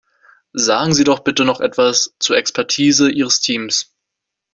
Sagen Sie doch bitte noch etwas zur Expertise Ihres Teams.